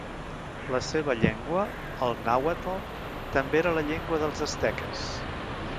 La seva llengua, el nàhuatl, també era la llengua dels asteques.